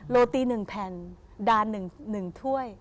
โรตีหนึ่งแผ่นดานหนึ่งถ้วย